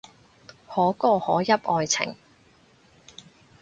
可歌可泣愛情